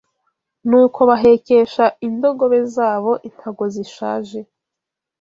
Nuko bahekesha indogobe zabo impago zishaje